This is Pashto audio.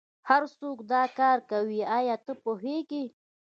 هرڅوک دا کار کوي ایا ته پوهیږې